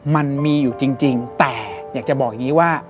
มันมีอยู่จริงแต่อยากจะบอกอย่างนี้ว่า